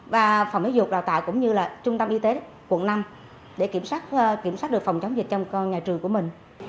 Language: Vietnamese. và phòng y dục đào tạo cũng như là trung tâm y tế quận năm để kiểm soát được phòng chống dịch trong nhà trường của mình